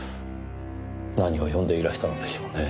何を読んでいらしたのでしょうねぇ？